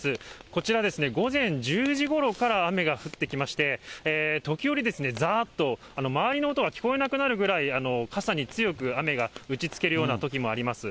こちらですね、午前１０時ごろから雨が降ってきまして、時折ざーっと、周りの音が聞こえなくなるぐらい、傘に強く雨が打ちつけるようなときもあります。